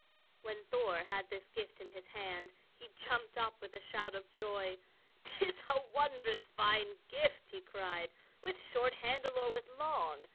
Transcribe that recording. When Thor had this gift in his hand, he jumped up with a shout of joy. "'Tis a wondrous fine gift," he cried, "with short handle or with long.